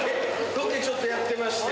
ロケちょっとやってまして。